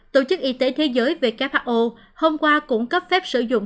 tổ chức y tế thế giới who hôm qua cũng cấp phép sử dụng